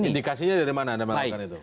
indikasinya dari mana anda melakukan itu